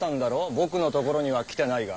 僕のところには来てないが。